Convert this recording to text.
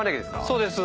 そうです。